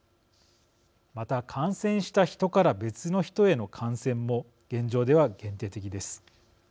また、感染したヒトから別のヒトへの感染も現状では限定的です。